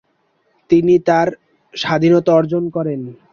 তিনি তার স্বাধীনতা অর্জন করেন।